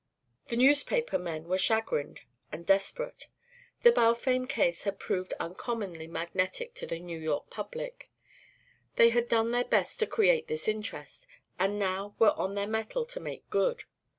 The newspaper men were chagrined and desperate. The Balfame Case had proved uncommonly magnetic to the New York public. They had done their best to create this interest, and now were on their mettle to "make good."